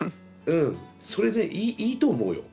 うんそれでいいと思うよ。